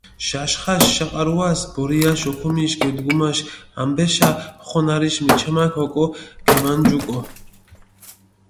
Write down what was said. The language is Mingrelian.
ჟაშხაშ შაყარუას ბორიაშ ოქუმიშ გედგუმაშ ამბეშა ხონარიშ მეჩამაქ ოკო გემანჯუკო.